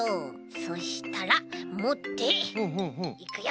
そしたらもっていくよ。